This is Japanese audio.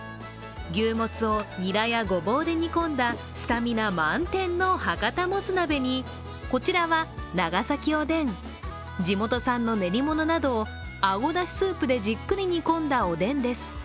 牛もつをにらやごぼうで煮込んだスタミナ満点の博多もつ鍋にこちらは長崎おでん、地元産の練り物などをあごだしスープでじっくり煮込んだおでんです。